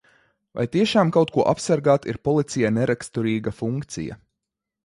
Vai tiešām kaut ko apsargāt ir policijai neraksturīga funkcija?